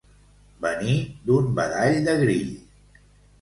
Venir d'un badall de grill.